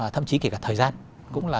thậm chí kể cả thời gian cũng là